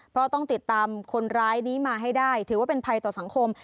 เพราะต้องติดตามคนร้ายนี้มาให้ได้ถือว่าเป็นภัยต่อสังคม